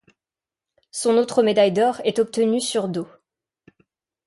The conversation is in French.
Son autre médaille d'or est obtenue sur dos.